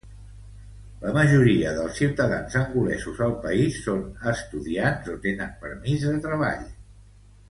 La majoria dels ciutadans angolesos al país són estudiants o tenen permís de treball.